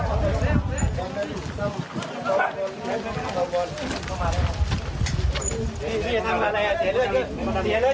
พี่พี่จะทำอะไรเสียเลือด